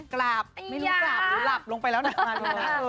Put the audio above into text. กราบไม่รู้กราบหรือหลับลงไปแล้วนะมาดูนะ